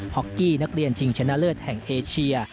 ็อกกี้นักเรียนชิงชนะเลิศแห่งเอเชีย